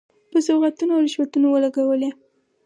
په سوغاتونو او رشوتونو ولګولې.